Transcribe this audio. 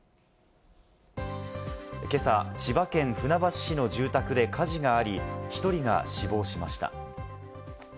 今朝、千葉県船橋市の住宅で火事があり、１人が死亡しました。